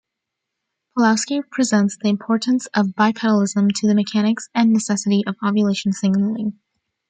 Pawlowski presents the importance of bipedalism to the mechanics and necessity of ovulation signaling.